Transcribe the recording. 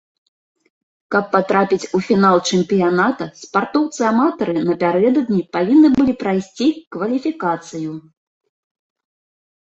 Каб патрапіць у фінал чэмпіяната, спартоўцы-аматары напярэдадні павінны былі прайсці кваліфікацыю.